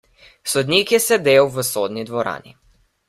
Sodnik je sedel v sodni dvorani.